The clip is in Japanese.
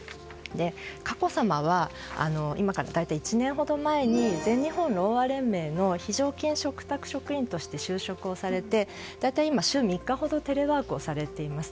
佳子さまは今から大体１年ほど前に全日本ろうあ連盟の非常勤嘱託職員として就職をされて大体今、週３日ほどテレワークをされています。